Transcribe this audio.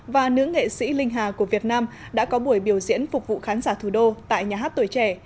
và nữ nghệ sĩ linh hà của việt nam đã có buổi biểu diễn phục vụ khán giả thủ đô tại nhà hát tuổi trẻ